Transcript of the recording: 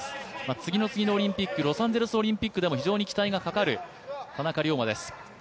次の次のオリンピック、ロサンゼルスオリンピックでも非常に期待がかかる田中龍馬です。